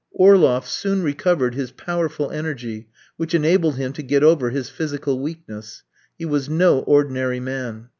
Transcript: Orloff soon recovered his powerful energy, which enabled him to get over his physical weakness. He was no ordinary man.